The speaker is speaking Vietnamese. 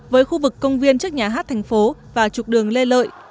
với khu vực công viên trước nhà hát thành phố và trục đường lê lợi